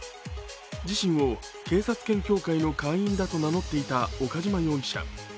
自身を警察犬協会の会員だと名乗っていた岡島容疑者。